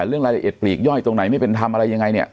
เรื่องรายละเอียดปลีกย่อยตรงไหนไม่เป็นทำอะไรยังไงเนี่ย